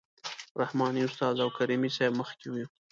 رحماني استاد او کریمي صیب مخکې وو.